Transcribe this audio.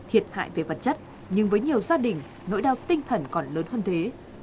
thiệt hại về vật chất nhưng với nhiều gia đình nỗi đau tinh thần còn lớn hơn thế